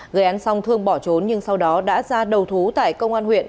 gây án xong thương bỏ trốn nhưng sau đó đã ra đầu thú tại công an huyện